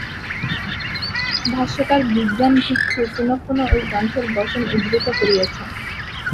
ভাষ্যকার বিজ্ঞানভিক্ষু পুন পুন ঐ গ্রন্থের বচন উদ্ধৃত করিয়াছেন।